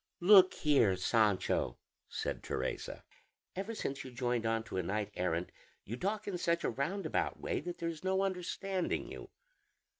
"Look here, Sancho," said Teresa; "ever since you joined on to a knight errant you talk in such a roundabout way that there is no understanding you."